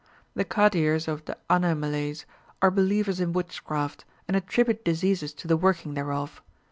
The Kadirs of the Anaimalais are believers in witchcraft, and attribute diseases to the working thereof.